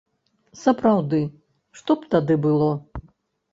Сапраўды, што б тады было?